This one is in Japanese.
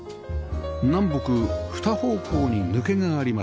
南北２方向に抜けがあります